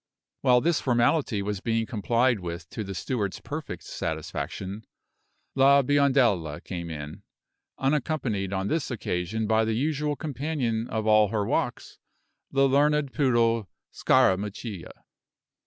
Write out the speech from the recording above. While this formality was being complied with to the steward's perfect satisfaction, La Biondella came in, unaccompanied on this occasion by the usual companion of all her walks, the learned poodle Scarammuccia.